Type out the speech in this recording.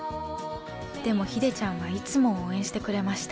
でも秀ちゃんはいつも応援してくれました。